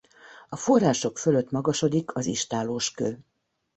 A források fölött magasodik az Istállós-kő.